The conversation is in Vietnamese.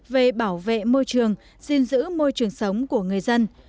về bảo vệ môi trường gìn giữ môi trường sống của người dân